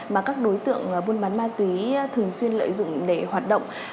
mà các đối tượng buôn bán ma túy thường xuyên lợi dụng để hoạt động